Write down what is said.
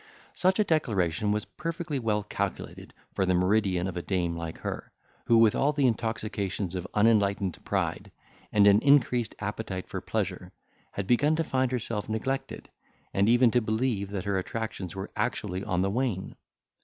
Such a declaration was perfectly well calculated for the meridian of a dame like her, who with all the intoxications of unenlightened pride, and an increased appetite for pleasure, had begun to find herself neglected, and even to believe that her attractions were actually on the wane.